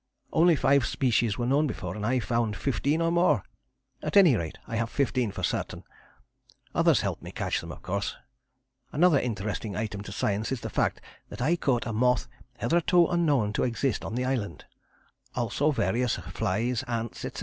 Only five species were known before, and I found fifteen or more at any rate I have fifteen for certain. Others helped me to catch them, of course. Another interesting item to science is the fact that I caught a moth hitherto unknown to exist on the island, also various flies, ants, etc.